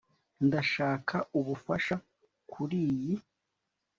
ndashaka ubufasha kuriyi